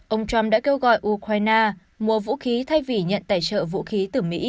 ông trump đã kêu gọi ukraine mua vũ khí thay vì nhận tài trợ vũ khí từ mỹ